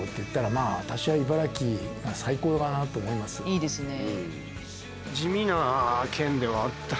いいですね！